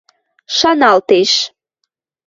Шаналтеш: